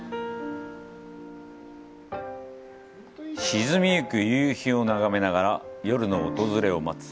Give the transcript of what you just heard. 沈み行く夕日を眺めながら夜の訪れを待つ。